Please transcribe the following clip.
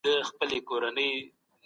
محمود د پاچاهۍ پر گدۍ ډه ډه ولګوله.